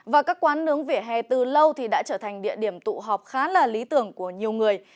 và các quán nướng vỉa hè từ lâu thì đã trở thành địa điểm tụ họp khá là lý tưởng của nhiều người